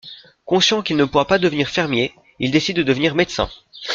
Conscient qu'il ne pourra pas devenir fermier, il décide de devenir médecin.